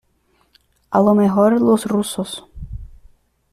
a lo mejor los rusos